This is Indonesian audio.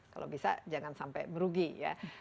kalau bisa jangan sampai merugi ya